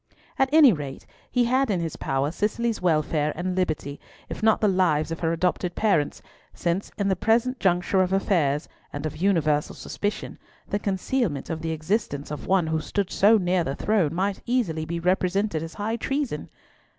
At any rate he had in his power Cicely's welfare and liberty, if not the lives of her adopted parents, since in the present juncture of affairs, and of universal suspicion, the concealment of the existence of one who stood so near the throne might easily be represented as high treason.